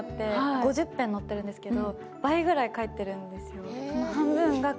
５０篇載ってるんですけど倍ぐらい書いてるんですよ。